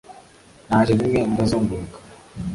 Naje rimwe ndazunguruka